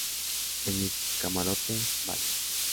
en mi camarote. vale.